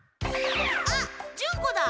あっジュンコだ！